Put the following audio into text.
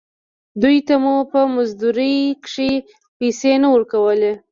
دوې ته مو په مزدورۍ کښې پيسې نه ورکولې.